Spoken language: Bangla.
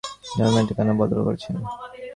আপনি আমার হাত থেকে বাঁচার জন্যে ঠিকানা বদল করেছেন।